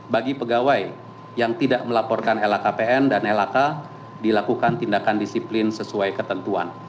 bagi pegawai yang tidak melaporkan lhkpn dan lhk dilakukan tindakan disiplin sesuai ketentuan